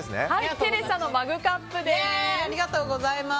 テレサのマグカップです。